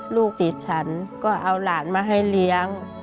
ลูกติดฉันก็เอาหลานมาให้เลี้ยง